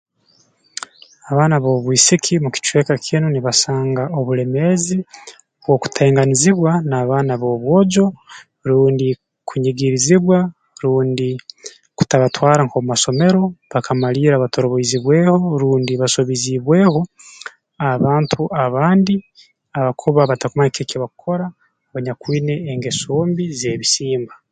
Abaana b'obwisiki mu kicweka kinu nibasanga obulemeezi nk'okutainganizibwa n'abaana b'obwojo rundi kunyigirizibwa rundi kutabatwara nk'omu masomero bakamalirra bataroboiziibweho rundi batasobeziibweho abantu abandi abakuba batakumanya eki bakukora abanyakwine engeso mbi z'ebisimba